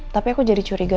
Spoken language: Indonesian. tapi aku jadi curiga